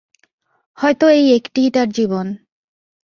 হয়তো এই একটিই তার জীবন।